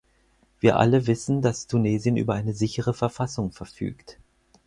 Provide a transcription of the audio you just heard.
Wir alle wissen, dass Tunesien über eine sichere Verfassung verfügt.